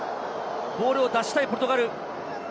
ボールを出したいポルトガル。